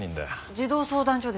児童相談所です。